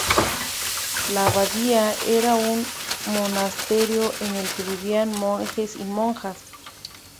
La abadía era un monasterio en el que vivían monjes y monjas.